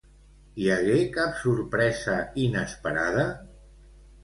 Hi hagué cap sorpresa inesperada?